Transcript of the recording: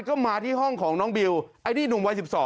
ก็มาที่ห้องของน้องบิวไอ้นี่หนุ่มวัย๑๒